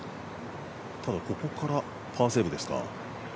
ここからパーセーブですか